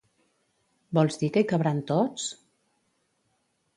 Vols dir que hi cabran tots?